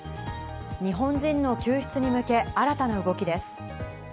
日本人の救出に向け新たな動きです。